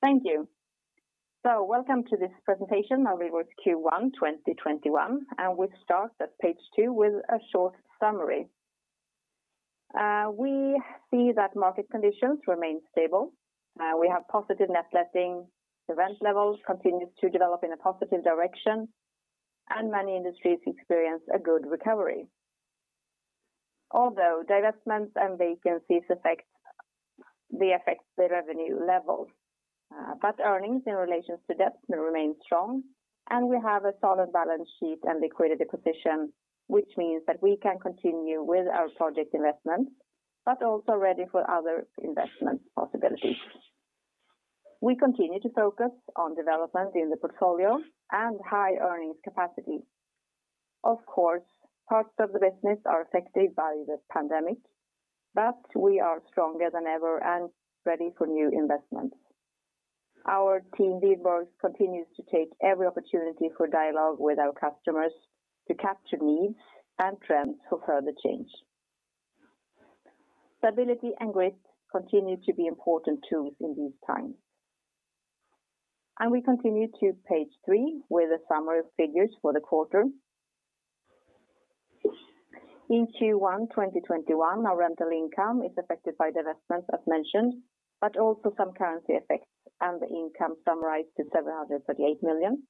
Thank you. Welcome to this presentation of Wihlborgs Q1 2021. We'll start at page two with a short summary. We see that market conditions remain stable. We have positive net letting. The rent levels continue to develop in a positive direction, and many industries experience a good recovery. Although divestments and vacancies affect the revenue levels. Earnings in relation to debt remain strong, and we have a solid balance sheet and liquidity position, which means that we can continue with our project investments, but also ready for other investment possibilities. We continue to focus on development in the portfolio and high earnings capacity. Of course, parts of the business are affected by the pandemic, but we are stronger than ever and ready for new investments. Our team, Wihlborgs, continues to take every opportunity for dialogue with our customers to capture needs and trends for further change. Stability and grit continue to be important tools in these times. We continue to page three with a summary of figures for the quarter. In Q1 2021, our rental income is affected by divestments as mentioned, but also some currency effects, and the income summarized to 738 million.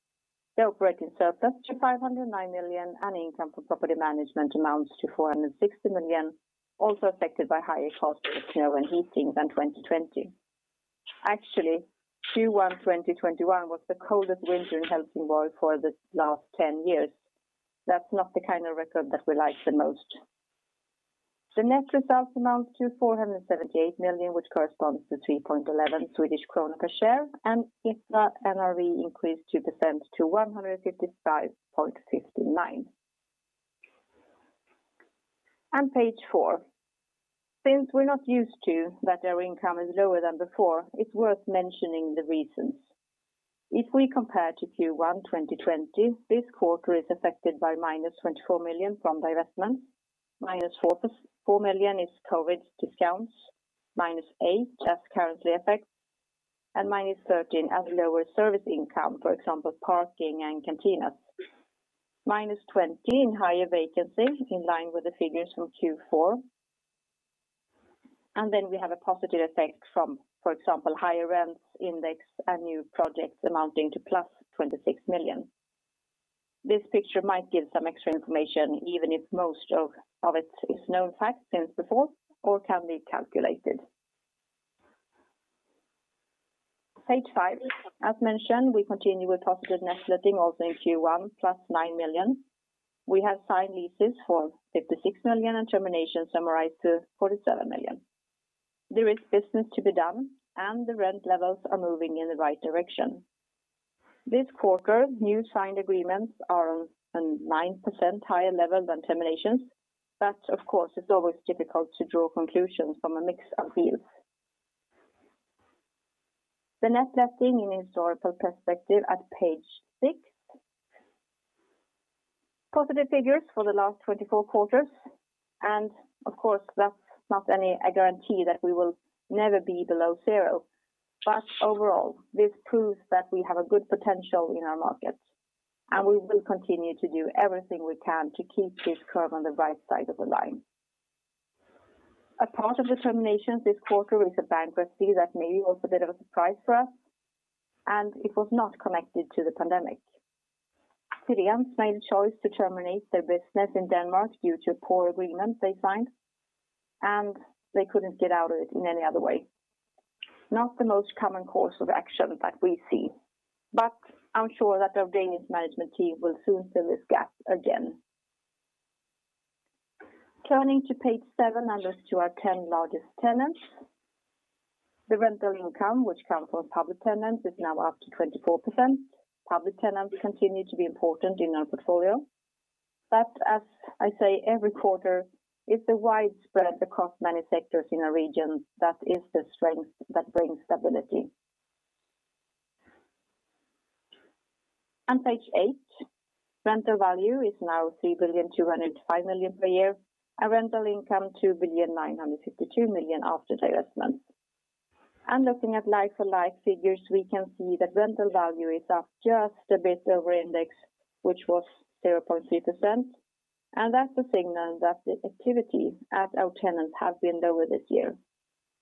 The operating surplus to 509 million, and income from property management amounts to 460 million, also affected by higher costs of snow and heating than 2020. Actually, Q1 2021 was the coldest winter in Helsingborg for the last 10 years. That's not the kind of record that we like the most. The net result amounts to 478 million, which corresponds to 3.11 Swedish kronor per share. EPRA NRV increased 2% to 155.59. Page four. Since we're not used to that our income is lower than before, it's worth mentioning the reasons. If we compare to Q1 2020, this quarter is affected by -24 million from divestment, -4 million is COVID discounts, -8 as currency effects, and -13 as lower service income, for example, parking and canteens. -20 in higher vacancy, in line with the figures from Q4. We have a positive effect from, for example, higher rents index and new projects amounting to -26 million. This picture might give some extra information, even if most of it is known fact since before or can be calculated. Page five. As mentioned, we continue with positive net letting also in Q1, +9 million. We have signed leases for 56 million and terminations summarized to 47 million. There is business to be done, and the rent levels are moving in the right direction. This quarter, new signed agreements are on 9% higher level than terminations. Of course, it's always difficult to draw conclusions from a mix of deals. The Net letting in historical perspective at page six. Positive figures for the last 24 quarters. Of course, that's not a guarantee that we will never be below zero. Overall, this proves that we have a good potential in our markets, and we will continue to do everything we can to keep this curve on the right side of the line. A part of the terminations this quarter is a bankruptcy that maybe was a bit of a surprise for us, and it was not connected to the pandemic. Cyriens made a choice to terminate their business in Denmark due to poor agreements they signed, and they couldn't get out of it in any other way. Not the most common course of action that we see, but I'm sure that their various management team will soon fill this gap again. Turning to page seven as to our 10 largest tenants. The rental income which comes from public tenants is now up to 24%. Public tenants continue to be important in our portfolio. As I say every quarter, it's the widespread across many sectors in our region that is the strength that brings stability. Page eight. Rental value is now 3,205 million per year, and rental income 2,952 million after divestment. Looking at like-for-like figures, we can see that rental value is up just a bit over index, which was 0.3%. That's a signal that the activity at our tenants has been lower this year.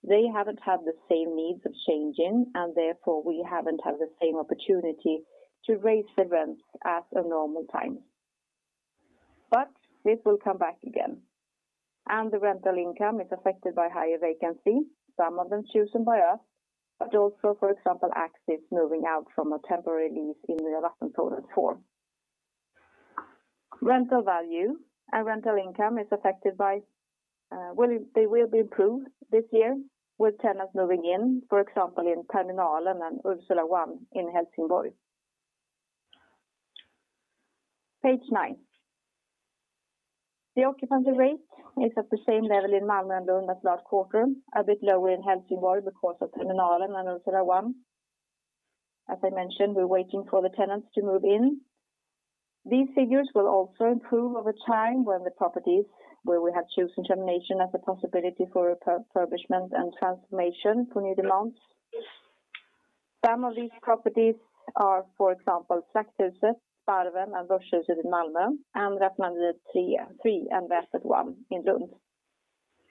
They haven't had the same needs of changing, therefore, we haven't had the same opportunity to raise the rents as a normal time. This will come back again. The rental income is affected by higher vacancy, some of them chosen by us, but also, for example, Axis moving out from a temporary lease in their last and current form. Rental value and rental income, they will be improved this year with tenants moving in, for example, in Terminalen and Ursula 1 in Helsingborg. Page nine. The occupancy rate is at the same level in Malmö and Lund as last quarter, a bit lower in Helsingborg because of Terminalen and Ursula 1. As I mentioned, we're waiting for the tenants to move in. These figures will also improve over time when the properties where we have chosen termination as a possibility for refurbishment and transformation for new demands. Some of these properties are, for example, Slagthuset, Sparven, and Börshuset in Malmö, and Raffinaderiet 3 and Posttornet 1 in Lund.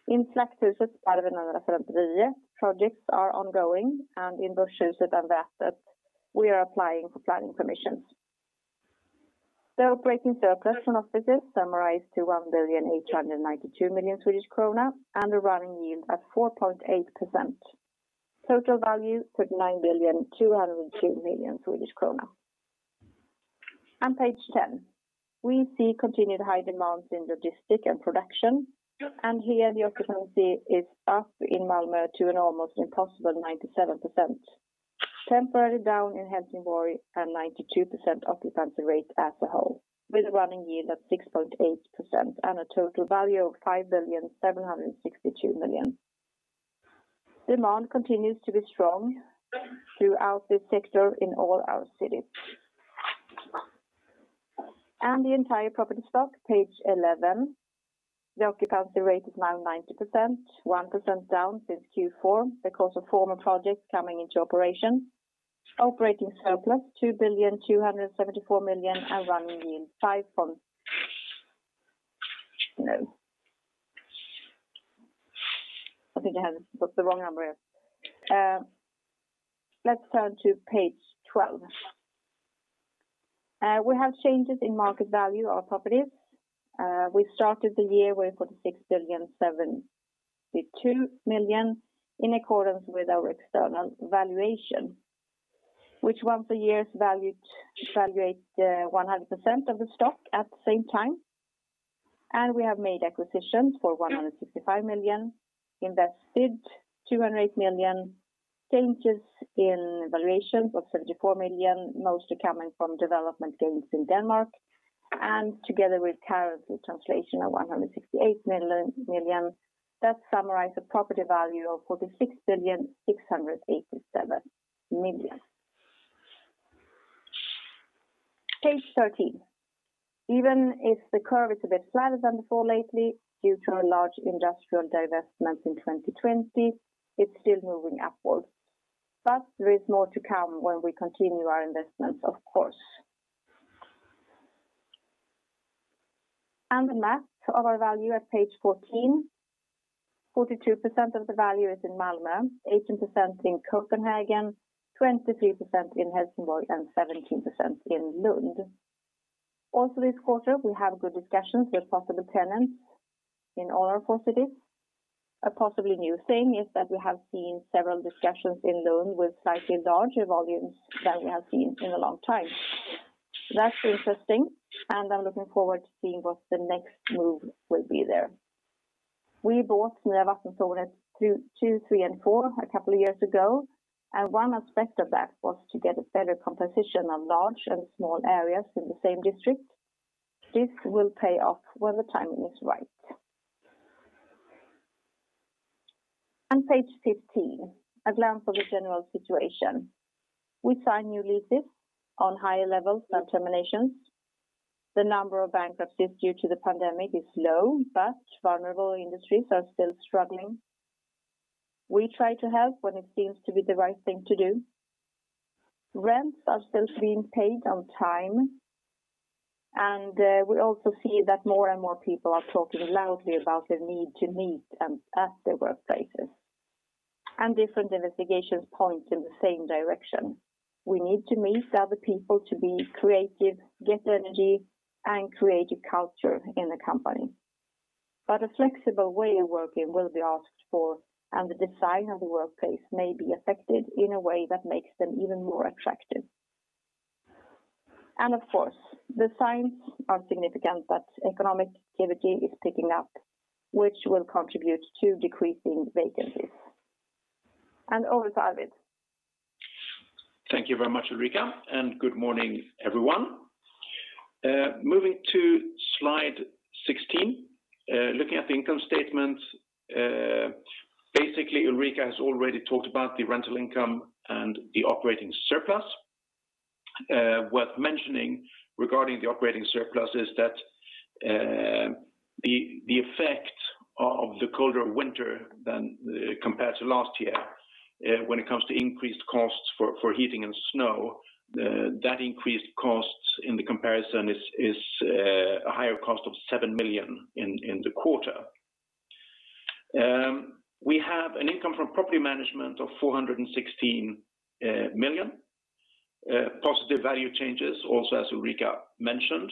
In Slagthuset, Sparven, and Raffinaderiet 3 projects are ongoing, and in Börshuset and Posttornet we are applying for planning permissions. The operating surplus from offices summarized to 1,892 million Swedish krona and a running yield at 4.8%. Total value, 39,202 million Swedish krona. On page 10, we see continued high demands in logistic and production, and here the occupancy is up in Malmö to an almost impossible 97%. Temporarily down in Helsingborg at 92% occupancy rate as a whole, with a running yield of 6.8% and a total value of 5,762 million. Demand continues to be strong throughout this sector in all our cities. The entire property stock, page 11. The occupancy rate is now 90%, 1% down since Q4 because of former projects coming into operation. Operating surplus, 2,274 million and running yield 5. No. I think I have put the wrong number here. Let's turn to page 12. We have changes in market value of properties. We started the year with 46,702 million in accordance with our external valuation. Once a year is valued to valuate 100% of the stock at the same time. We have made acquisitions for 165 million, invested 208 million, changes in valuation of 74 million, mostly coming from development gains in Denmark. Together with currency translation of 168 million, that summarize a property value of 46,687 million. Page 13. Even if the curve is a bit flatter than before lately, due to a large industrial divestment in 2020, it's still moving upward. There is more to come when we continue our investments, of course. The map of our value at page 14. 42% of the value is in Malmö, 18% in Copenhagen, 23% in Helsingborg, and 17% in Lund. Also this quarter, we have good discussions with possible tenants in all our four cities. A possibly new thing is that we have seen several discussions in Lund with slightly larger volumes than we have seen in a long time. That's interesting, and I'm looking forward to seeing what the next move will be there. We bought Nya Vattentornet 2, 3, and 4 a couple of years ago, and one aspect of that was to get a better composition of large and small areas in the same district. This will pay off when the timing is right. On page 15, a glance of the general situation. We sign new leases on higher levels than terminations. The number of bankruptcies due to the pandemic is low, but vulnerable industries are still struggling. We try to help when it seems to be the right thing to do. Rents are still being paid on time. We also see that more and more people are talking loudly about the need to meet at their workplaces. Different investigations point in the same direction. We need to meet other people to be creative, get energy, and create a culture in the company. A flexible way of working will be asked for, and the design of the workplace may be affected in a way that makes them even more attractive. Of course, the signs are significant that economic activity is picking up, which will contribute to decreasing vacancies. Over to Arvid. Thank you very much, Ulrika. Good morning, everyone. Moving to slide 16, looking at the income statement. Basically, Ulrika has already talked about the rental income and the operating surplus. Worth mentioning regarding the operating surplus is that the effect of the colder winter compared to last year when it comes to increased costs for heating and snow, that increased costs in the comparison is a higher cost of 7 million in the quarter. We have an income from property management of 416 million. Positive value changes also as Ulrika mentioned,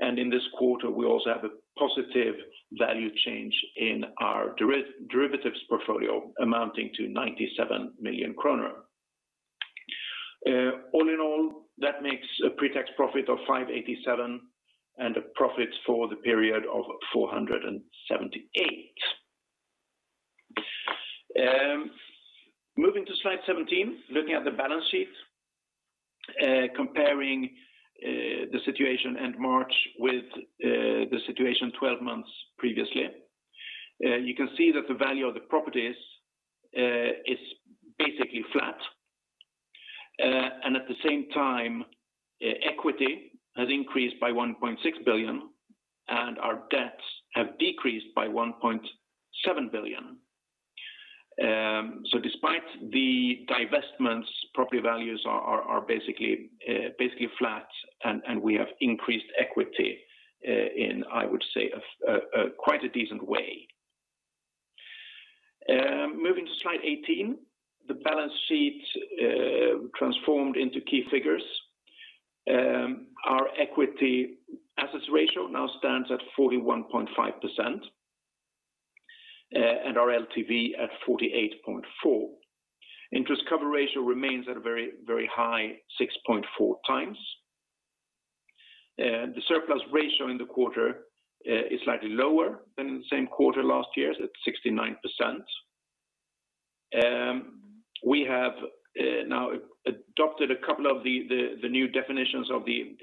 and in this quarter, we also have a positive value change in our derivatives portfolio amounting to 97 million kronor. All in all, that makes a pre-tax profit of 587 million and a profit for the period of 478 million. Moving to slide 17, looking at the balance sheet, comparing the situation end March with the situation 12 months previously. You can see that the value of the properties is basically flat. At the same time, equity has increased by 1.6 billion and our debts have decreased by 1.7 billion. Despite the divestments, property values are basically flat and we have increased equity in, I would say, quite a decent way. Moving to slide 18, the balance sheet transformed into key figures. Our Equity to assets ratio now stands at 41.5% and our LTV at 48.4%. Interest coverage ratio remains at a very high 6.4x. The surplus ratio in the quarter is slightly lower than the same quarter last year, so it's 69%. We have now adopted a couple of the new definitions of the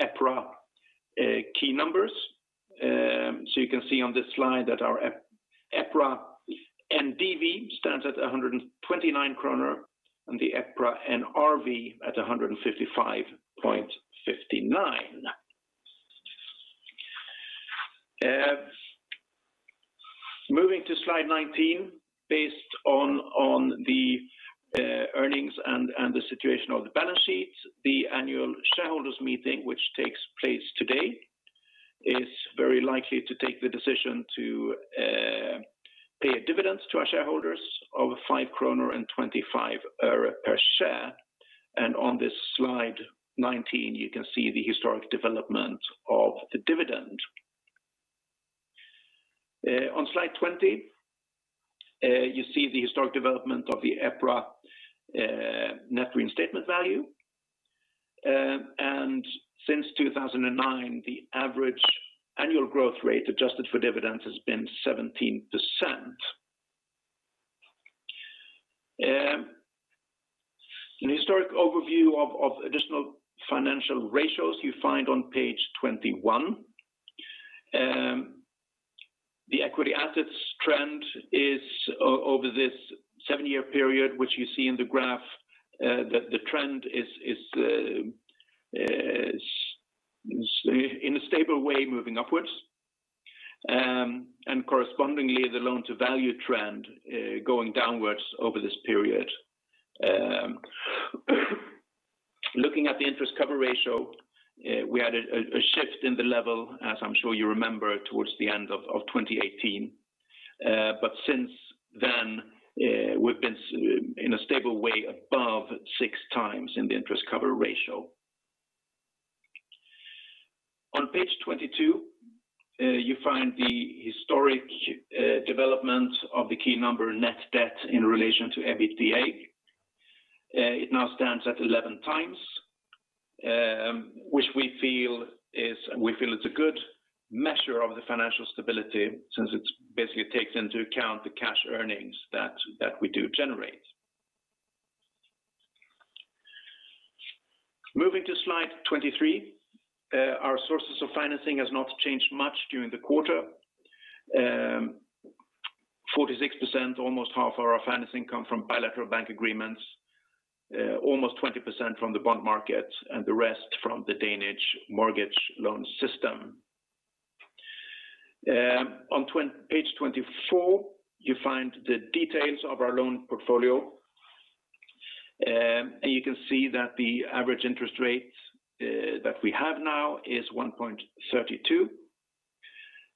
EPRA key numbers. You can see on this slide that our EPRA NDV stands at 129 kronor and the EPRA NRV at 155.59. Moving to slide 19, based on the earnings and the situation of the balance sheet, the annual shareholders' meeting, which takes place today, is very likely to take the decision to pay a dividend to our shareholders of 5 kronor and 25 öre per share. On this slide 19, you can see the historic development of the dividend. On slide 20, you see the historic development of the EPRA Net Reinstatement Value. Since 2009, the average annual growth rate adjusted for dividends has been 17%. A historic overview of additional financial ratios you find on page 21. The equity assets trend is over this seven-year period, which you see in the graph, the trend is in a stable way moving upwards. Correspondingly, the loan-to-value trend going downward over this period. Looking at the interest coverage ratio, we had a shift in the level, as I'm sure you remember, towards the end of 2018. Since then, we've been in a stable way above 6x in the interest coverage ratio. On page 22, you find the historic development of the key number net debt in relation to EBITDA. It now stands at 11x, which we feel it's a good measure of the financial stability since it basically takes into account the cash earnings that we do generate. Moving to slide 23, our sources of financing has not changed much during the quarter. 46%, almost half our financing come from bilateral bank agreements, almost 20% from the bond market, and the rest from the Danish mortgage loan system. On page 24, you find the details of our loan portfolio. You can see that the average interest rate that we have now is 1.32,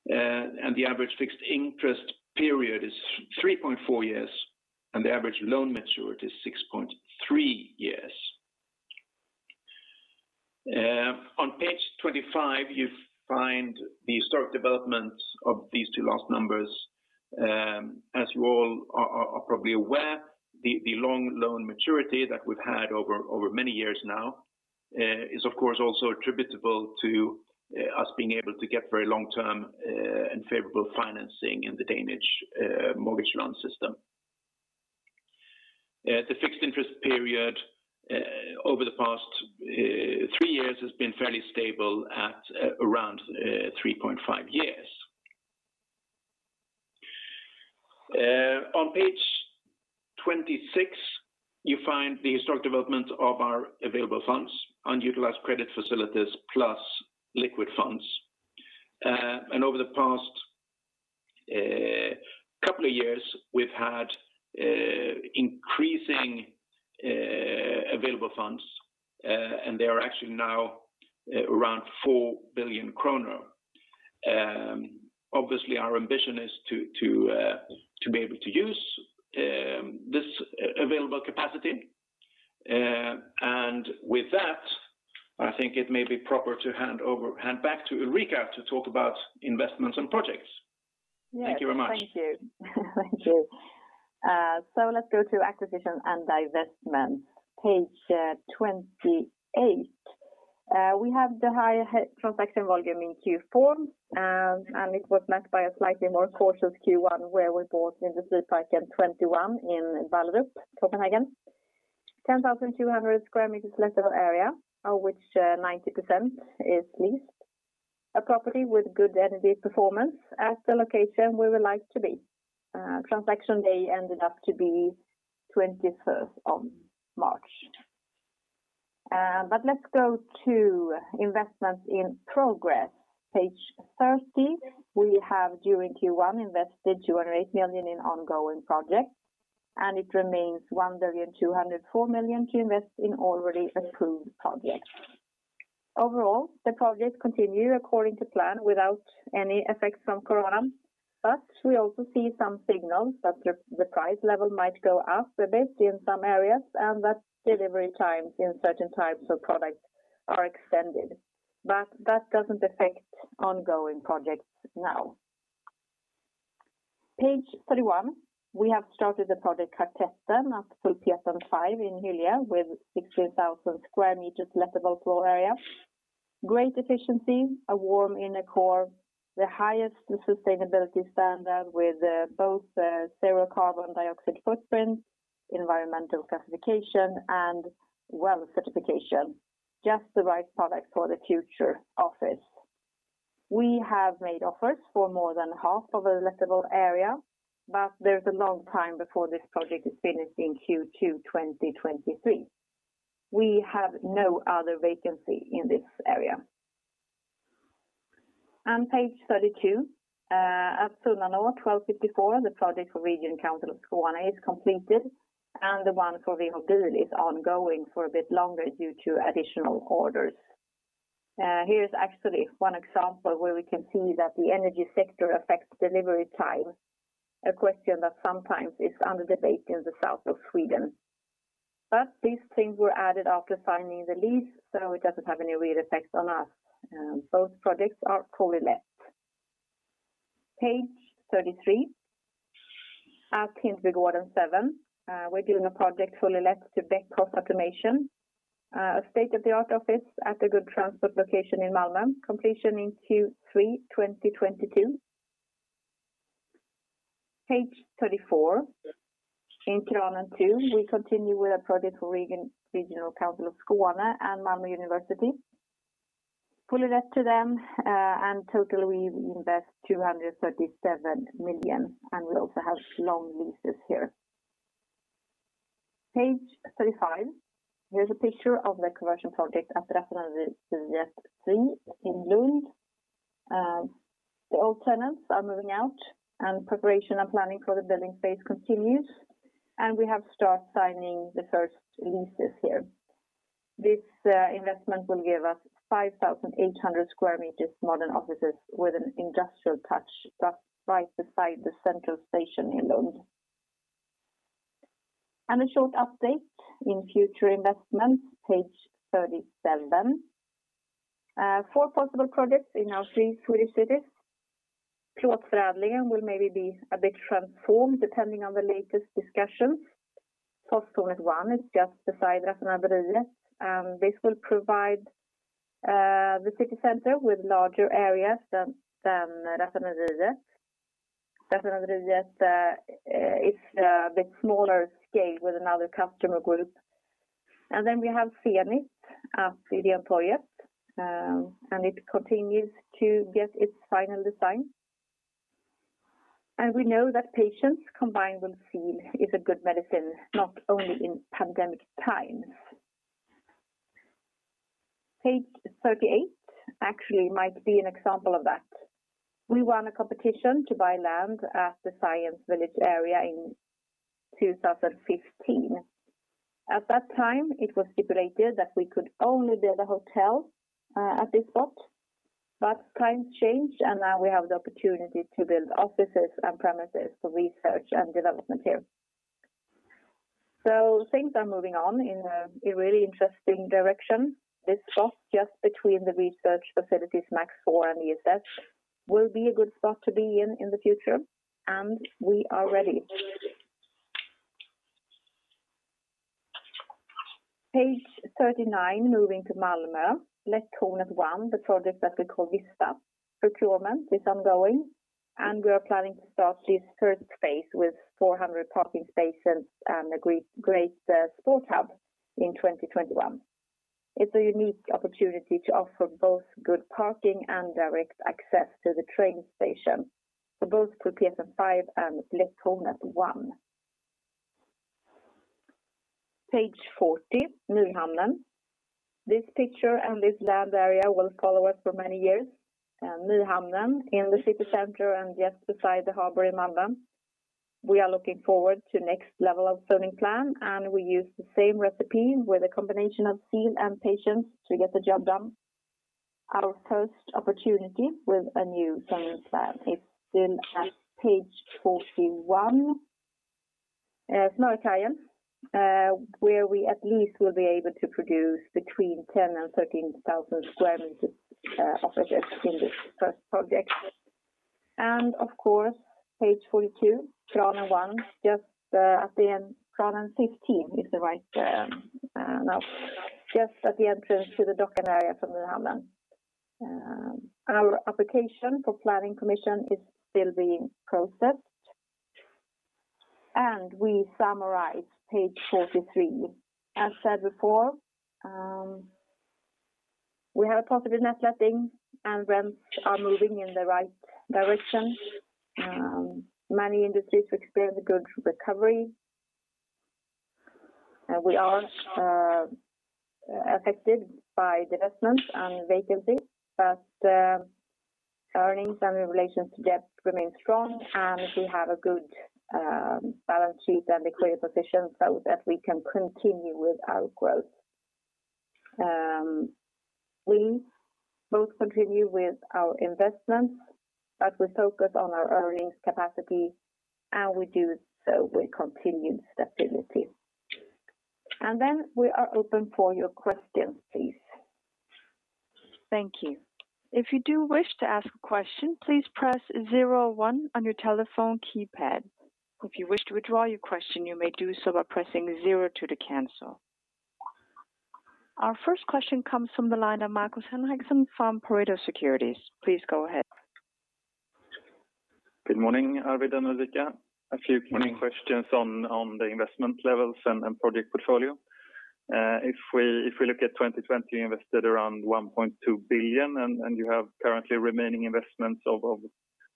the average fixed interest period is 3.4 years, and the average loan maturity is 6.3 years. On page 25, you find the historic development of these two last numbers. As you all are probably aware, the long loan maturity that we've had over many years now is of course also attributable to us being able to get very long-term and favorable financing in the Danish mortgage loan system. The fixed interest period over the past three years has been fairly stable at around 3.5 years. On page 26, you find the historic development of our available funds, unutilized credit facilities plus liquid funds. Over the past couple of years, we've had increasing available funds, and they are actually now around 4 billion kronor. Obviously, our ambition is to be able to use this available capacity. With that, I think it may be proper to hand back to Ulrika to talk about investments and projects. Thank you very much. Thank you. Let's go to acquisitions and divestments, page 28. We have the higher transaction volume in Q4, and it was matched by a slightly more cautious Q1 where we bought Industriparken 21 in Ballerup, Copenhagen, 10,200 square meters lettable area, of which 90% is leased. A property with good energy performance at the location we would like to be. Transaction day ended up to be 21st of March. Let's go to investments in progress. Page 30. We have during Q1 invested 208 million in ongoing projects, and it remains 1,204 million to invest in already approved projects. Overall, the projects continue according to plan without any effects from corona. We also see some signals that the price level might go up a bit in some areas, and that delivery times in certain types of products are extended. That doesn't affect ongoing projects now. Page 31. We have started the project Kvartetten at Pulpetten 5 in Hyllie with 16,000 square meters lettable floor area. Great efficiency, a warm inner core, the highest sustainability standard with both zero carbon dioxide footprint, environmental classification, and WELL Certification. Just the right product for the future office. We have made offers for more than half of the lettable area, but there's a long time before this project is finished in Q2 2023. We have no other vacancy in this area. Page 32. At Sunnanå 12:54, the project for Region Skåne is completed, and the one for Veho Bil is ongoing for a bit longer due to additional orders. Here's actually one example where we can see that the energy sector affects delivery time, a question that sometimes is under debate in the south of Sweden. These things were added after signing the lease, so it doesn't have any real effect on us. Both projects are fully let. Page 33. At Hindbygården 7, we're doing a project fully let to Beckhoff Automation, a state-of-the-art office at a good transport location in Malmö. Completion in Q3 2022. Page 34. In Kranen 2, we continue with a project for Region Skåne and Malmö University. Fully let to them, total we invest 237 million, and we also have long leases here. Page 35. Here's a picture of the conversion project at Raffinaderiet 3 in Lund. The old tenants are moving out, preparation and planning for the building phase continues. We have start signing the first leases here. This investment will give us 5,800 square meters modern offices with an industrial touch, just right beside the central station in Lund. A short update in future investments, page 37. Four possible projects in our three Swedish cities. Plåtförädlingen will maybe be a bit transformed depending on the latest discussions. Posttornet 1 is just beside Raffinaderiet. This will provide the city center with larger areas than Raffinaderiet. Raffinaderiet is a bit smaller scale with another customer group. We have Zenit at Ideon Torget, and it continues to get its final design. We know that patience combined with zeal is a good medicine, not only in pandemic times. Page 38 actually might be an example of that. We won a competition to buy land at the Science Village area in 2015. At that time, it was stipulated that we could only build a hotel at this spot. Times change, and now we have the opportunity to build offices and premises for research and development here. Things are moving on in a really interesting direction. This spot just between the research facilities MAX IV and ESS will be a good spot to be in the future. We are ready. Page 39, moving to Malmö. Bläckhornet 1, the project that we call Vista. Procurement is ongoing. We are planning to start this third phase with 400 parking spaces and a great sport hub in 2021. It's a unique opportunity to offer both good parking and direct access to the train station for both Pulpetten 5 and Bläckhornet 1. Page 40, Nyhamnen. This picture and this land area will follow us for many years. Nyhamnen in the city center and just beside the harbor in Malmö. We are looking forward to next level of zoning plan. We use the same recipe with a combination of zeal and patience to get the job done. Our first opportunity with a new zoning plan is shown at page 41. Smörkajen, where we at least will be able to produce between 10,000 and 13,000 square meters of projects in this first project. Of course, page 42, Kranen 1, just at the end. Kranen 15 is the right note. Just at the entrance to the dock area for Nyhamnen. Our application for planning permission is still being processed, and we summarize page 43. As said before, we have a positive net letting, and rents are moving in the right direction. Many industries experience a good recovery. We are affected by divestments and vacancy, but earnings and relations to debt remain strong, and we have a good balance sheet and liquidity position so that we can continue with our growth. We both continue with our investments, but we focus on our earnings capacity, and we do so with continued stability. We are open for your questions, please. Thank you. If you do wish to ask a question, please press zero one on your telephone keypad. If you wish to withdraw your question you may do so by pressing zero to cancel. Our first question comes from the line of Markus Henriksson from Pareto Securities. Please go ahead. Good morning, Arvid and Ulrika. Good morning. A few questions on the investment levels and project portfolio. If we look at 2020, you invested around 1.2 billion, and you have currently remaining investments of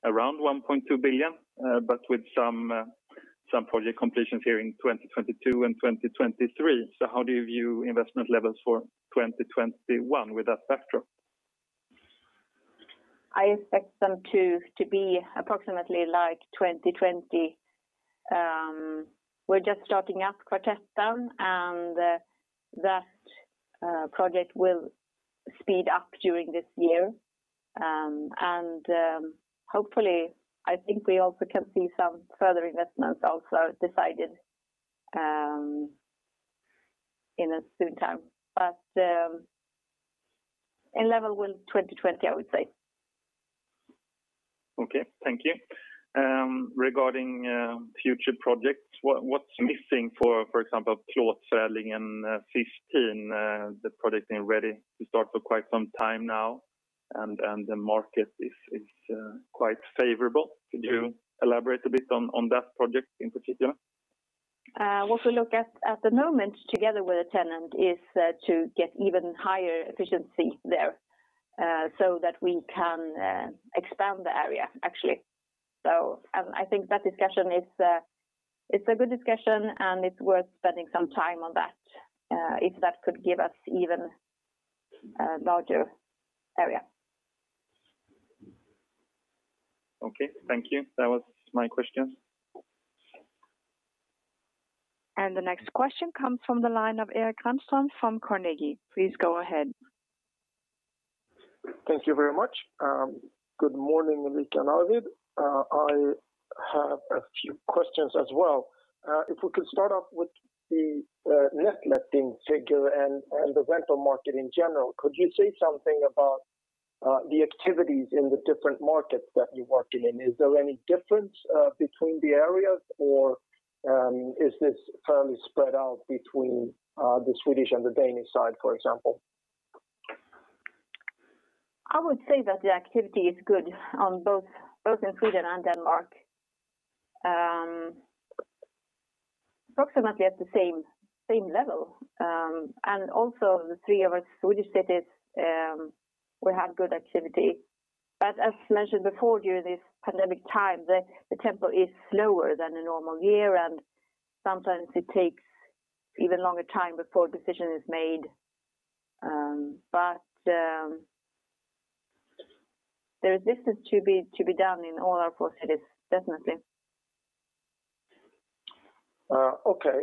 around 1.2 billion, but with some project completions here in 2022 and 2023. How do you view investment levels for 2021 with that backdrop? I expect them to be approximately like 2020. We're just starting up Kvartetten, and that project will speed up during this year. Hopefully, I think we also can see some further investments also decided in a soon time. In level with 2020, I would say. Okay. Thank you. Regarding future projects, what's missing for example Plåtförädlingen 15, the project being ready to start for quite some time now and the market is quite favorable? Could you elaborate a bit on that project in particular? What we look at at the moment together with the tenant is to get even higher efficiency there, so that we can expand the area, actually. I think that discussion is a good discussion, and it is worth spending some time on that if that could give us even larger area. Okay, thank you. That was my questions. The next question comes from the line of Erik Granström from Carnegie. Please go ahead. Thank you very much. Good morning, Ulrika and Arvid. I have a few questions as well. If we could start off with the net letting figure and the rental market in general. Could you say something about the activities in the different markets that you're working in? Is there any difference between the areas, or is this fairly spread out between the Swedish and the Danish side, for example? I would say that the activity is good both in Sweden and Denmark. Approximately at the same level. Also the three of our Swedish cities, we have good activity. As mentioned before during this pandemic time, the tempo is slower than a normal year, and sometimes it takes even longer time before a decision is made. There is business to be done in all our four cities, definitely. Okay.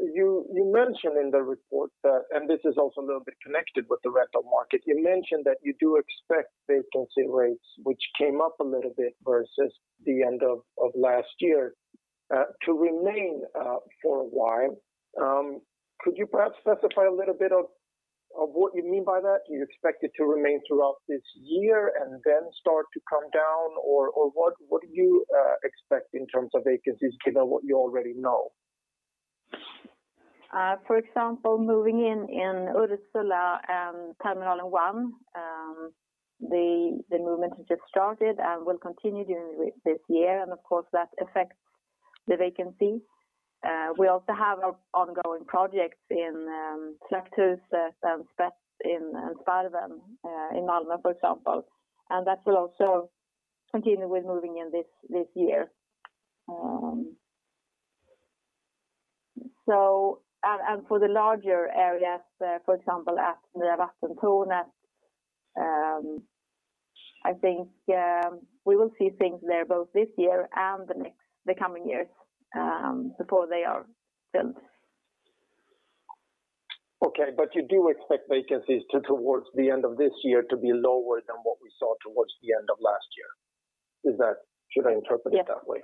You mentioned in the report that, and this is also a little bit connected with the rental market. You mentioned that you do expect vacancy rates, which came up a little bit versus the end of last year, to remain for a while. Could you perhaps specify a little bit of what you mean by that? Do you expect it to remain throughout this year and then start to come down, or what do you expect in terms of vacancies given what you already know? Moving in in Ursula 1, the movement has just started and will continue during this year, and of course, that affects the vacancy. We also have our ongoing projects in Slagthuset and Sparven in Malmö, for example, and that will also continue with moving in this year. For the larger areas, for example, at Nya Vattentornet, I think we will see things there both this year and the coming years before they are built. Okay, you do expect vacancies towards the end of this year to be lower than what we saw towards the end of last year. Should I interpret it that way?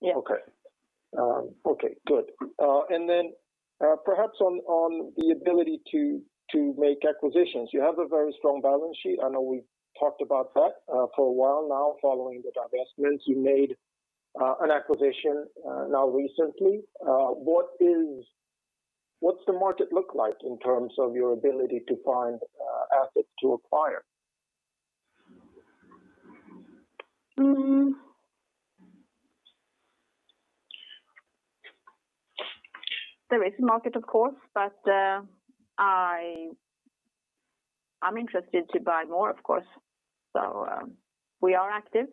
Yes. Okay. Good. Perhaps on the ability to make acquisitions, you have a very strong balance sheet. I know we talked about that for a while now following the divestments. You made an acquisition now recently. What's the market look like in terms of your ability to find assets to acquire? There is a market, of course, but I'm interested to buy more, of course. We are active,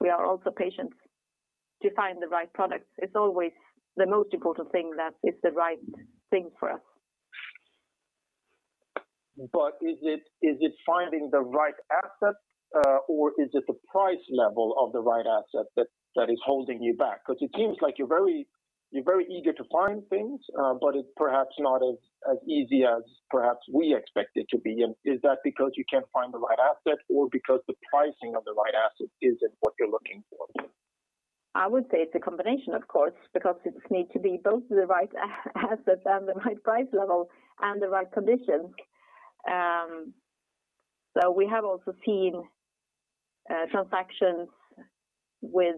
but we are also patient to find the right products. It's always the most important thing that it's the right thing for us. Is it finding the right asset, or is it the price level of the right asset that is holding you back? It seems like you're very eager to find things, but it's perhaps not as easy as perhaps we expect it to be. Is that because you can't find the right asset or because the pricing of the right asset isn't what you're looking for? I would say it's a combination, of course, because it needs to be both the right asset and the right price level and the right conditions. We have also seen transactions with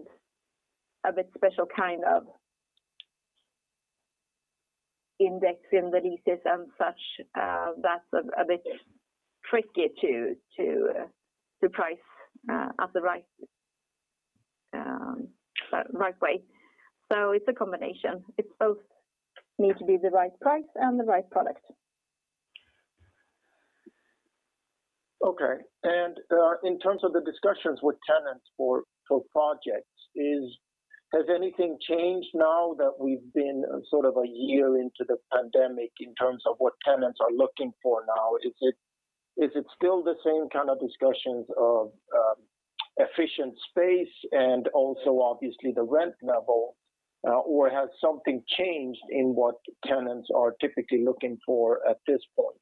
a bit special kind of index in the leases and such, that's a bit tricky to price at the right way. It's a combination. It's both need to be the right price and the right product. Okay. In terms of the discussions with tenants for projects, has anything changed now that we've been a year into the pandemic in terms of what tenants are looking for now? Is it still the same kind of discussions of efficient space and also obviously the rent level? Has something changed in what tenants are typically looking for at this point?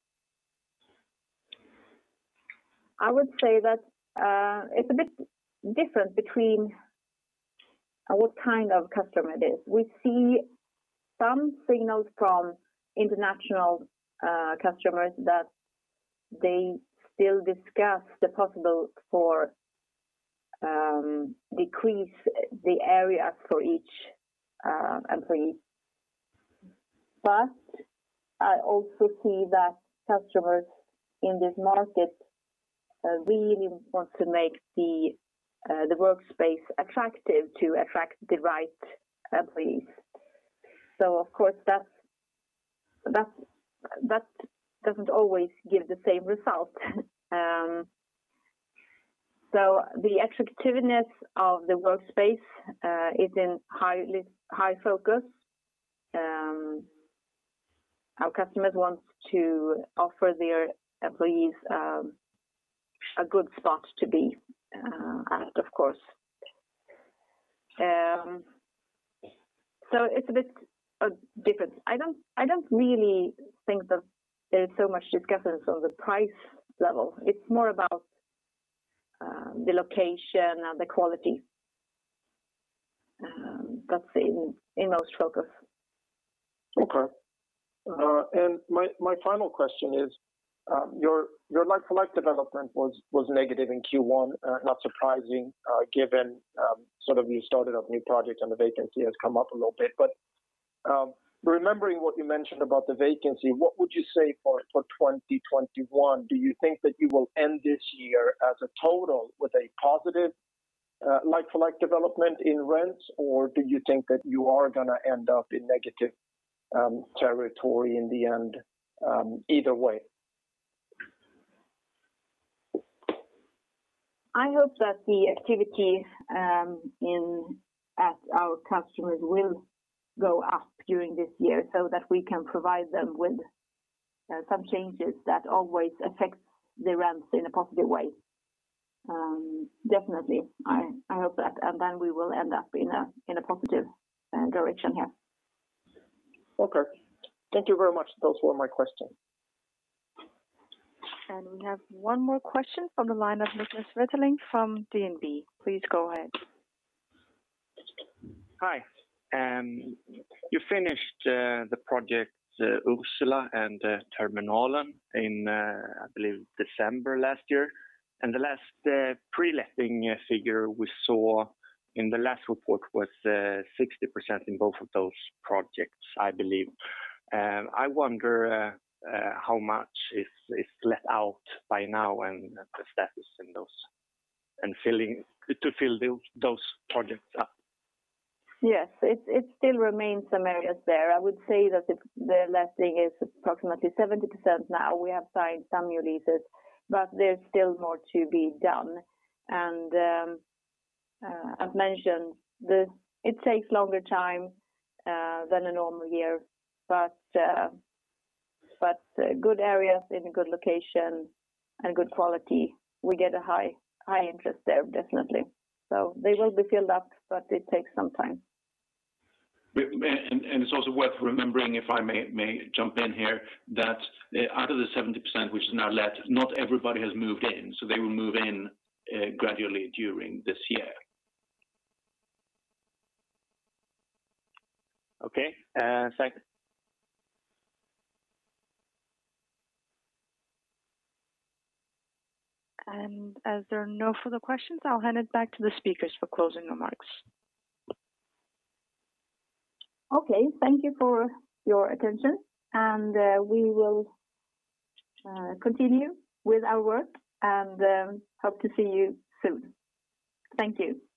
I would say that it's a bit different between what kind of customer it is. We see some signals from international customers that they still discuss the possible for decrease the area for each employee. I also see that customers in this market really want to make the workspace attractive to attract the right employees. Of course that doesn't always give the same result. The attractiveness of the workspace is in high focus. Our customers want to offer their employees a good spot to be at, of course. It's a bit different. I don't really think that there's so much discussions on the price level. It's more about the location and the quality. That's in most focus. Okay. My final question is your like-for-like development was negative in Q1. Not surprising given you started up new projects and the vacancy has come up a little bit. Remembering what you mentioned about the vacancy, what would you say for 2021? Do you think that you will end this year as a total with a positive like-for-like development in rents or do you think that you are going to end up in negative territory in the end either way? I hope that the activity at our customers will go up during this year so that we can provide them with some changes that always affect the rents in a positive way. Definitely, I hope that, and then we will end up in a positive direction here. Okay. Thank you very much. Those were my questions. We have one more question from the line of Niklas Wetterling from DNB. Please go ahead. Hi. You finished the project Ursula and Terminalen in, I believe December last year. The last pre-letting figure we saw in the last report was 60% in both of those projects, I believe. I wonder how much is let out by now and the status in those and to fill those projects up. Yes. It still remains some areas there. I would say that the letting is approximately 70% now. We have signed some new leases, but there's still more to be done. I've mentioned it takes longer time than a normal year, but good areas in a good location and good quality, we get a high interest there, definitely. They will be filled up, but it takes some time. It's also worth remembering, if I may jump in here, that out of the 70% which is now let, not everybody has moved in. They will move in gradually during this year. Okay. Thanks. As there are no further questions, I'll hand it back to the speakers for closing remarks. Okay. Thank you for your attention. We will continue with our work and hope to see you soon. Thank you.